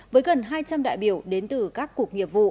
với gần hai trăm linh đại biểu đến từ các cục nghiệp vụ